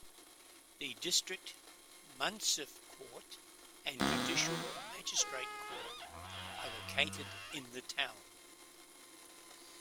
The District Munsiff Court and Judicial Magistrate Court are located in the town.